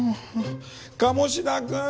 鴨志田君！